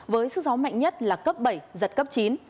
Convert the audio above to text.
với sức gió mạnh nhất là cấp bảy giật cấp chín